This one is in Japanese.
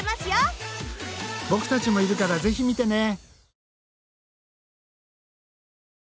ボクたちもいるからぜひ見てね。